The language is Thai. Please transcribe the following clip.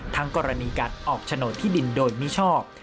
กรณีการออกโฉนดที่ดินโดยมิชอบ